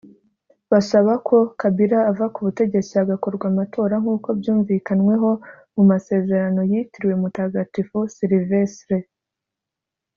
basaba ko Kabila ava ku butegetsi hagakorwa amatora nkuko byumvikanweho mu masezerano yitiriwe Mutagatifu Slyvestre